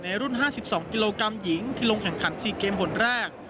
ในรุ่นห้าสิบสองกิโลกรัมหญิงที่ลงแข่งขันสี่เกมผลแรก